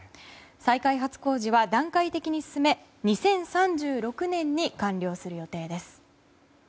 再開発工事は段階的に進め２０３６年に完了する予定です。